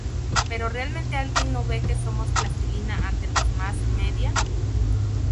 ¿Pero realmente alguien no ve que somos plastilina ante los mass media?